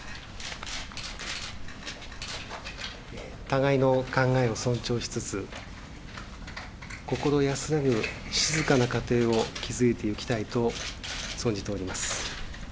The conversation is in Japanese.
互いの考えを尊重しつつ、心安らぐ静かな家庭を築いていきたいと存じております。